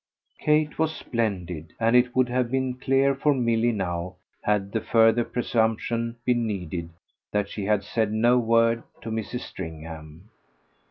Kate was splendid, and it would have been clear for Milly now, had the further presumption been needed, that she had said no word to Mrs. Stringham.